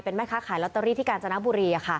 แม่ค้าขายลอตเตอรี่ที่กาญจนบุรี